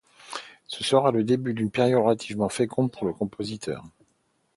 Ce sera le début d'une période relativement féconde pour le compositeur.